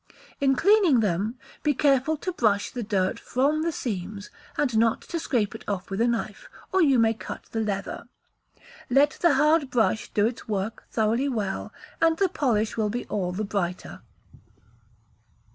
In cleaning them, be careful to brush the dirt from the seams, and not to scrape it off with a knife, or you may cut the leather. Let the hard brush do its work thoroughly well, and the polish will be all the brighter.